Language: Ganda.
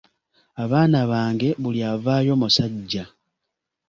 Abaana bange buli avaayo musajja.